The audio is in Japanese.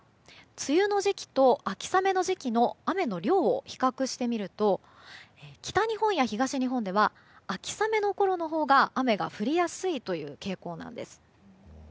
梅雨の時期と秋雨の時期の雨の量を比較してみると北日本や東日本では秋雨のころのほうが雨が降りやすいという傾向なんです。